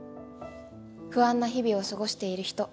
不安な日々を過ごしている人